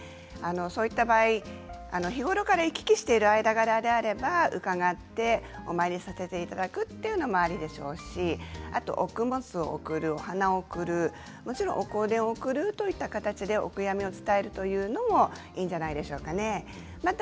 そういった場合日頃から行き来している間柄であるかどうかがお参りさせていただくというのもあるでしょうし供物を送る、お花を送るご香典を送るという形お悔やみを伝えるというのもいいんじゃないでしょうか。